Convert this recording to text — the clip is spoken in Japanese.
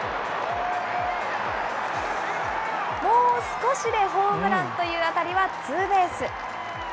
もう少しでホームランという当たりはツーベース。